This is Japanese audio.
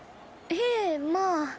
へえまあ。